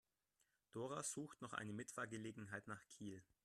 Dora sucht noch eine Mitfahrgelegenheit nach Kiel.